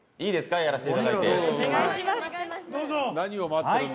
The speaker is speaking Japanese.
やらしていただいて。